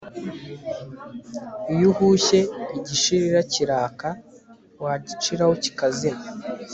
iyo uhushye igishirira kiraka wagiciraho kikazima